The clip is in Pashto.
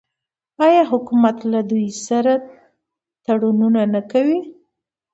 آیا حکومت له دوی سره تړونونه نه کوي؟